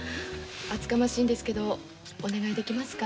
厚かましいんですけどお願いできますか。